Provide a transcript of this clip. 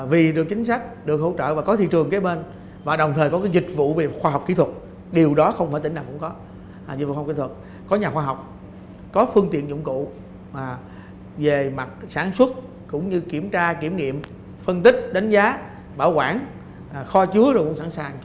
vì được chính sách được hỗ trợ và có thị trường kế bên và đồng thời có dịch vụ về khoa học kỹ thuật điều đó không phải tỉnh nào cũng có dịch vụ khoa học kỹ thuật có nhà khoa học có phương tiện dụng cụ về mặt sản xuất cũng như kiểm tra kiểm nghiệm phân tích đánh giá bảo quản kho chứa sẵn sàng